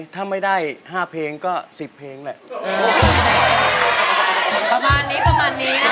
ประมาณนี้นะคะ